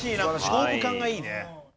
勝負勘がいいね。